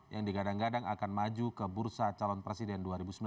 yang digadang gadang akan maju ke bursa calon presiden dua ribu sembilan belas